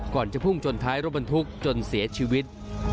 จะพุ่งชนท้ายรถบรรทุกจนเสียชีวิต